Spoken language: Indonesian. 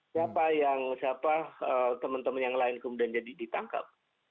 siapa yang siapa teman teman yang lain kemudian jadi ditangkap